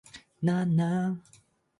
何なん